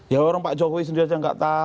ya orang pak jokowi sendiri aja nggak tahu